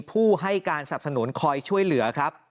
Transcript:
ผู้ให้การสับสนุนคอยช่วยเหลือครับ